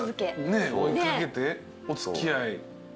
ねえ追い掛けてお付き合い。